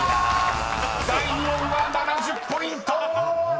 ［第２問は７０ポイント！］